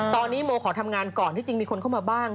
ตอนนี้โมขอทำงานก่อนที่จริงมีคนเข้ามาบ้าง